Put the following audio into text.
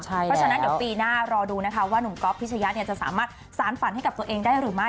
เพราะฉะนั้นเดี๋ยวปีหน้ารอดูนะคะว่าหนุ่มก๊อฟพิชยะจะสามารถสารฝันให้กับตัวเองได้หรือไม่